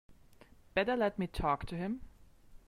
Better let me talk to him.